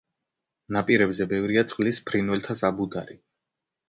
ნაპირებზე ბევრია წყლის ფრინველთა საბუდარი.